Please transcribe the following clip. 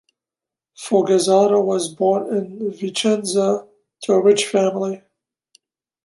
Fogazzaro was born in Vicenza to a rich family.